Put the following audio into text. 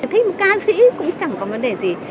thế một ca sĩ cũng chẳng có vấn đề gì